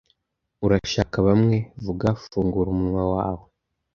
urashaka bamwe vuga fungura umunwa wawe